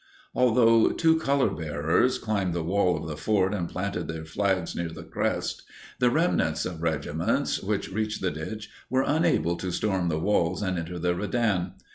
Although two color bearers climbed the wall of the fort and planted their flags near the crest, the remnants of regiments which reached the ditch were unable to storm the walls and enter the redan.